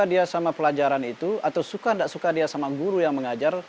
mereka akan suka dengan pelajaran itu atau suka atau tidak suka dengan guru yang mengajar